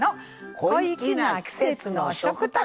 「小粋な季節の食卓」。